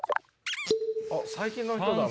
あっ最近の人だな。